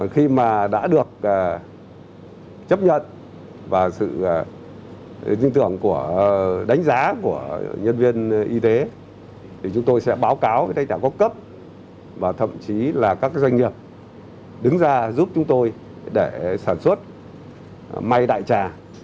khi mà đã được chấp nhận và sự tính tưởng của đánh giá của nhân viên y tế thì chúng tôi sẽ báo cáo với tài trạng cốc cấp và thậm chí là các doanh nghiệp đứng ra giúp chúng tôi để sản xuất may đại trà